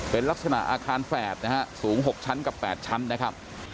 เป็นลักษณะอาคารแฝดนะฮะสูง๖ชั้นกับ๘ชั้นนะครับ